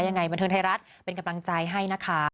ยังไงบันเทิงไทยรัฐเป็นกำลังใจให้นะคะ